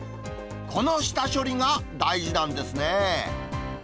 この下処理が大事なんですね。